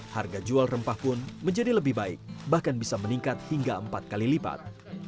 harga jual rempah pun menjadi lebih baik bahkan bisa meningkat hingga empat kali lipat